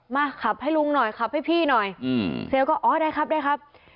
มาขับให้ลุงหน่อยขับให้พี่หน่อยเซลล์ก็อ๋อได้ครับได้ครับ